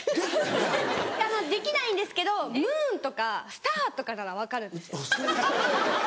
できないんですけどムーンとかスターとかなら分かるんですよ。